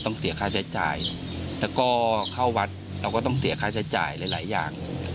เสียค่าใช้จ่ายแล้วก็เข้าวัดเราก็ต้องเสียค่าใช้จ่ายหลายอย่าง